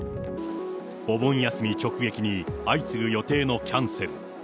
お盆休み直撃に、相次ぐ予定のキャンセル。